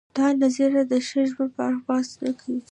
دا نظریه د ښه ژوند په اړه بحث نه کوي.